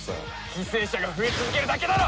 犠牲者が増え続けるだけだろ！